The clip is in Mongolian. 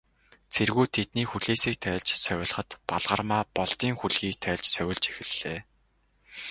Цэргүүд тэдний хүлээсийг тайлж, сувилахад, Балгармаа Болдын хүлгийг тайлж сувилж эхэллээ.